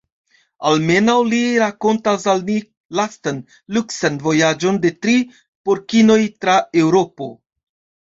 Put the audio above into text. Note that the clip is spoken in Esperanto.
Almenaŭ li rakontas al ni lastan, luksan vojaĝon de tri porkinoj tra Eŭropo.